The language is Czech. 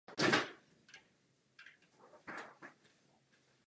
Během třicetileté války bylo městečko vypáleno a několik let bylo zcela pusté.